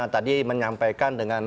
tadi menyampaikan dengan